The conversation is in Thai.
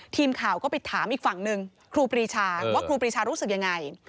ทีมข่าวก็ไปถามอีกฝั่งหนึ่งครูปรีชาว่าครูปรีชารู้สึกยังไง